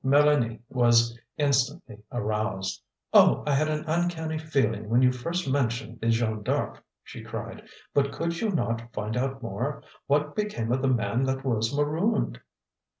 Mélanie was instantly aroused. "Oh, I had an uncanny feeling when you first mentioned the Jeanne D'Arc!" she cried. "But could you not find out more? What became of the man that was marooned?"